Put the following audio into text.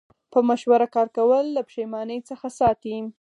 په مشوره کار کول له پښیمانۍ څخه ساتي.